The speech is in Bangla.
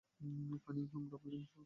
কানিংহাম ডাবলিন শহরে বাস করেন।